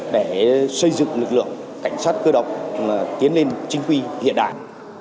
để xây dựng lực lượng cảnh sát cơ động tiến lên chính quy hiện đại